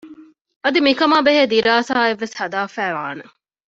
އަދި މިކަމާ ބެހޭ ދިރާސާއެއް ވެސް ހަދައިފައިވާނެ